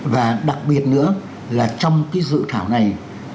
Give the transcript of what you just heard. và đặc biệt nữa là trong cái dự thảo này